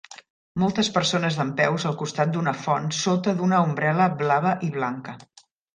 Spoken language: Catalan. Moltes persones dempeus al costat d'una font sota d'una ombrel·la blava i blanca.